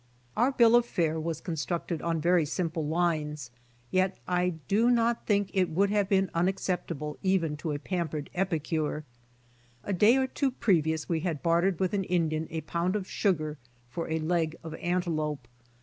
Our bill of fare was. con structed on very simple lines yet I do not think it would have been unacceptable even to a pampered epicure. A day or two previous we had bartered with an Indian a pound of sugar for a leg of antelope.